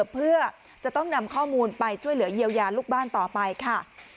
เพื่อจะต้องนำข้อมูลไปช่วยเหลือเยียวยาลูกบ้านต่อไปค่ะ